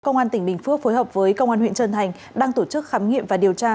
công an tỉnh bình phước phối hợp với công an huyện trân thành đang tổ chức khám nghiệm và điều tra